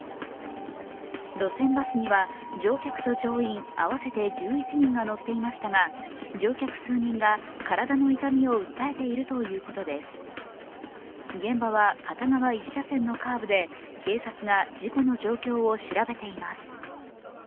路線バスには乗客と乗員合わせて１１人が乗っていましたが乗客数人が体の痛みを訴えているということでする現場は片側１車線のカーブで警察が事故の状況を調べています。